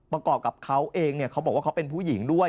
ประกอบกับเขาเองเขาบอกว่าเขาเป็นผู้หญิงด้วย